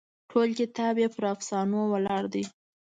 ټول کتاب یې پر افسانو ولاړ دی.